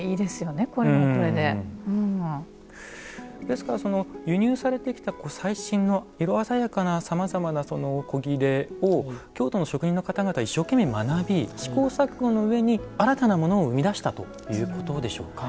ですからその輸入されてきた最新の色鮮やかなさまざまなその古裂を京都の職人の方々一生懸命学び試行錯誤の上に新たなものを生み出したということでしょうか？